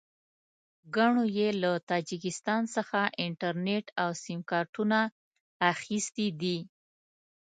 ګڼو یې له تاجکستان څخه انټرنېټ او سیم کارټونه اخیستي دي.